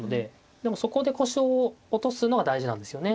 でもそこで腰を落とすのが大事なんですよね。